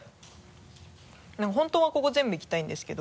本当はここ全部いきたいんですけど。